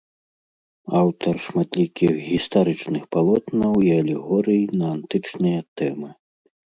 Аўтар шматлікіх гістарычных палотнаў і алегорый на антычныя тэмы.